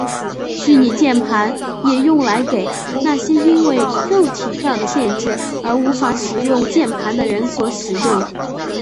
虚拟键盘也用来给那些因为肉体上的限制而无法使用键盘的人所使用。